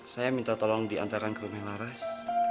saya minta tolong diantara kerumah laras